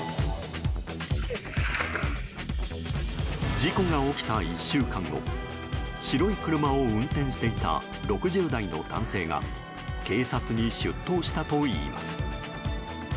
事故が起きた１週間後白い車を運転していた６０代の男性が警察に出頭したといいます。